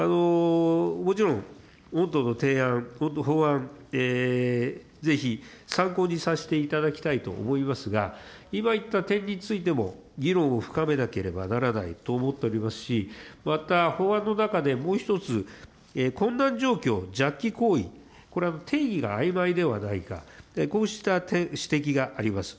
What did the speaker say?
もちろん、御党の提案、法案、ぜひ参考にさせていただきたいと思いますが、今言った点についても議論を深めなければならないと思っておりますし、また、法案の中でもう一つ、困難状況じゃっ起行為、これ、定義があいまいではないか、こうした指摘があります。